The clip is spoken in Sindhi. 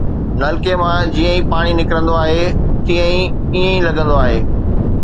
نلڪي مان جيئن ئي پاڻي نڪرندو آهي، تيئن ئي ائين لڳندو آهي